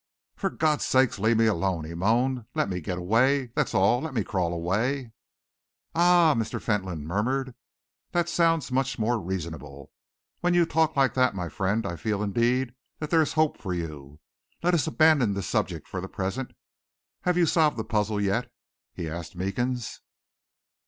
"For God's sake, leave me alone!" he moaned. "Let me get away, that's all; let me crawl away!" "Ah!" Mr. Fentolin murmured. "That sounds much more reasonable. When you talk like that, my friend, I feel indeed that there is hope for you. Let us abandon this subject for the present. Have you solved the puzzle yet?" he asked Meekins.